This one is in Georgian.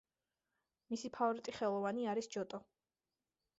მისი ფავორიტი ხელოვანი არის ჯოტო.